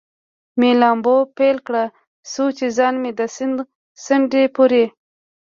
مې لامبو پیل کړ، څو چې ځان مې د سیند څنډې پورې.